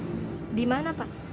dosen di mana pak